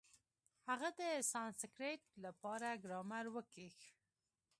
هغه د سانسکرېټ له پاره ګرامر وکېښ.